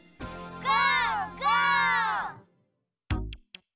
ゴー！